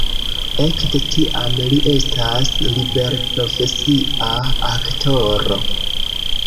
Ekde tiam li estas liberprofesia aktoro.